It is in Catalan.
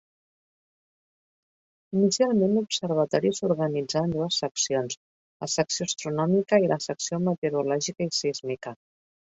Inicialment l'observatori s'organitzà en dues seccions: la Secció Astronòmica i la Secció Meteorològica i Sísmica.